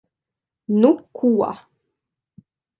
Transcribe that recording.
Nu ko...